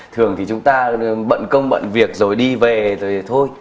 thường thì chúng ta bận công bận việc rồi đi về rồi thôi